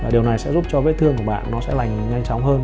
điều này sẽ giúp cho vết thương của bạn nó sẽ lành nhanh chóng hơn